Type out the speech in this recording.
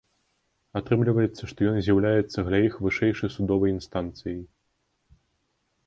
Атрымліваецца, што ён з'яўляецца для іх вышэйшай судовай інстанцыяй.